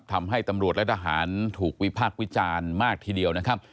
ทำให้ตำรวจและทหารถูกวิพากษ์วิจารณ์มากทีเดียวนะครับ